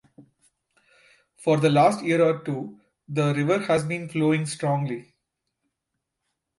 For the last year or two the river has been flowing strongly.